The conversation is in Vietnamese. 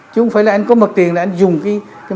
chứ không phải là anh có một tiền là anh dùng cái